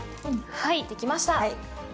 はいできました。